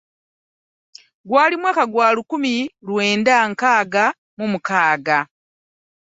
Gwali mwaka gwa lukumi lwenda nkaaga mu mukaaga.